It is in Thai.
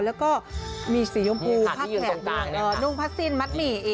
แล้วก็มีสียมพูผ้าแขกนุ่งผ้าสิ้นมัดหมี่อีก